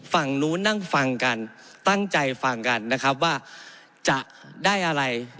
ฝั่งนู้นนั่งฟังกันตั้งใจฟังกันนะครับว่าจะได้อะไร